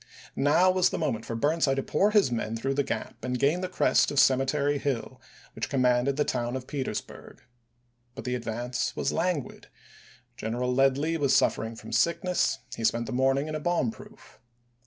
Now was the mo ment for Burnside to pour his men through the gap and gain the crest of Cemetery Hill, which commanded the town of Petersburg. But the ad vance was languid. General Ledlie was suffering from sickness; he spent the morning in a bomb proof.